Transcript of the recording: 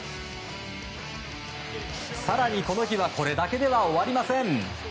更に、この日はこれだけでは終わりません。